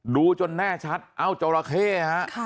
ดูจนแน่ชัดเอ้าจราเข้ฮะ